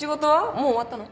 もう終わったの？